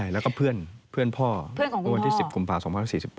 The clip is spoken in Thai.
แล้วก็เพื่อนพ่อเมื่อวันที่๑๐กุมภา๒๐๑๔๘